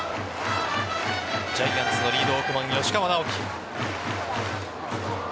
ジャイアンツのリードオフマン吉川尚輝。